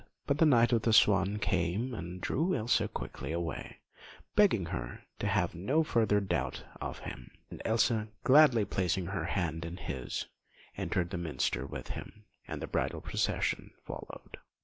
But the Knight of the Swan came and drew Elsa quickly away, begging her to have no further doubt of him; and Elsa, gladly placing her hand in his, entered the Minster with him, and the bridal procession followed.